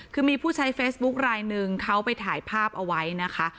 คือมีผู้ใช้เฟซบุ๊คลายหนึ่งเขาไปถ่ายภาพเอาไว้นะคะ